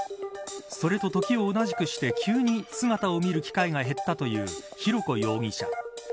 それと時を同じくして急に姿を見る機会が減ったという浩子容疑者。